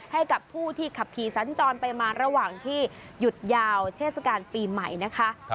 ให้กับผู้ที่ขับขี่สัญจรไปมาระหว่างที่หยุดยาวเทศกาลปีใหม่นะคะ